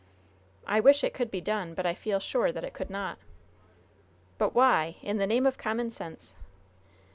"I wish it could be done; but I feel sure that it could not." "But why, in the name o' common sense?"